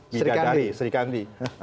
bidang dari serikandi